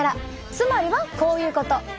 つまりはこういうこと！